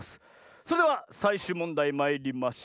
それではさいしゅうもんだいまいりましょう！